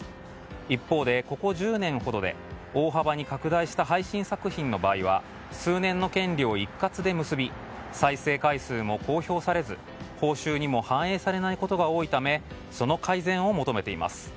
一方、ここ１０年ほどで大幅に拡大した配信作品の場合は数年の権利を一括で結び再生回数も公表されず、報酬にも反映されないことが多いためその改善を求めています。